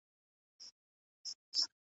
زه هره ورځ کښېناستل کوم؟